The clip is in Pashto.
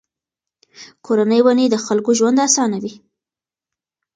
کورني ونې د خلکو ژوند آسانوي.